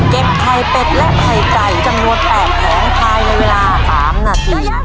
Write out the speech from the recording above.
เก็บไพ่เป็ดและไพ่ไก่จังหัวแปบแผงทายในเวลาสามนาที